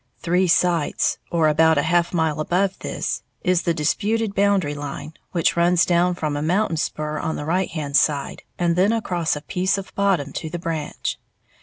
Three "sights," or about a half mile above this, is the disputed boundary line, which runs down from a mountain spur on the right hand side, and then across a piece of bottom to the branch.